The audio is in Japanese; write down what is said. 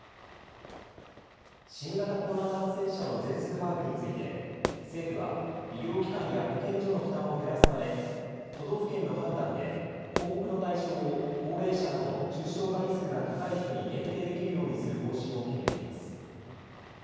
新型コロナ感染者の全数把握について政府は医療機関や保健所の負担を減らすため都道府県の判断で報告の対象を高齢者など重症化リスクが高い人に限定できるようにする方針を決めています。